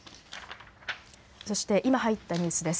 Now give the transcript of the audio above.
そして今入ったニュースです。